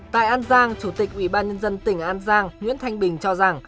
tại an giang chủ tịch ủy ban nhân dân tỉnh an giang nguyễn thanh bình cho rằng